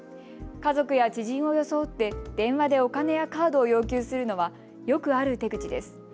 家族や知人を装って電話でお金やカードを要求するのはよくある手口です。